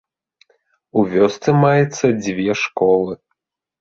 У вёсцы маецца дзве школы.